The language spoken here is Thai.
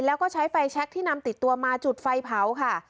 แล้วก็ใช้ไฟแชคที่นำติดตัวมาจุดไฟเผาค่ะ